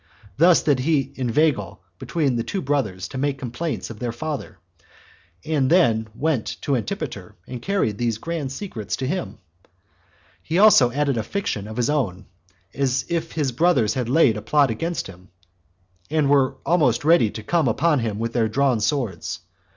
Thus did he inveigle both the brothers to make complaints of their father, and then went to Antipater, and carried these grand secrets to him. He also added a fiction of his own, as if his brothers had laid a plot against him, and were almost ready to come upon him with their drawn swords.